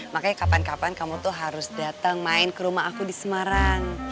makanya kapan kapan kamu tuh harus datang main ke rumah aku di semarang